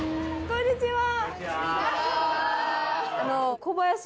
こんにちは。